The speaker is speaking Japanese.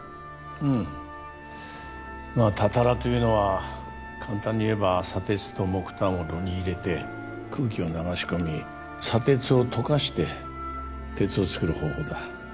うんまあたたらというのは簡単に言えば砂鉄と木炭を炉に入れて空気を流し込み砂鉄を溶かして鉄を作る方法だ